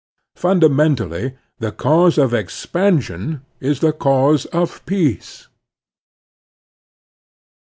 Fimdamentally the cause of expansion is the cause of peace.